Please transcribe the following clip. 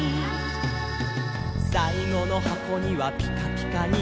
「さいごのはこにはぴかぴかに」